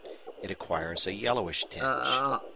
It acquires a yellowish tinge.